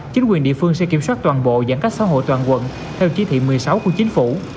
chính quyền địa phương sẽ kiểm soát toàn bộ giãn cách xã hội toàn quận theo chỉ thị một mươi sáu của chính phủ